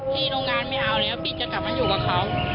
โรงงานไม่เอาแล้วพี่จะกลับมาอยู่กับเขา